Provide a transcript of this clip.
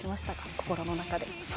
心の中で。